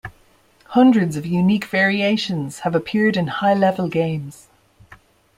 Hundreds of unique variations have appeared in high-level games.